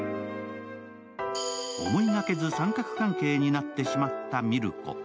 思いがけず三角関係になってしまった海松子。